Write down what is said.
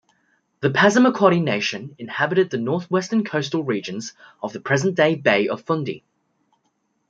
The Passamaquoddy Nation inhabited the northwestern coastal regions of the present-day Bay of Fundy.